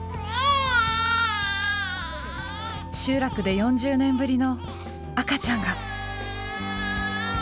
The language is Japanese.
集落で４０年ぶりの赤ちゃんが。